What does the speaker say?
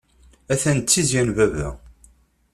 Atan d tizya n baba.